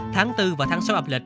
tháng bốn và tháng sáu âm lịch